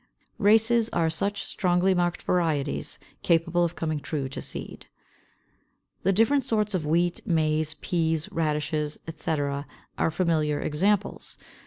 RACES are such strongly marked varieties, capable of coming true to seed. The different sorts of Wheat, Maize, Peas, Radishes, etc., are familiar examples.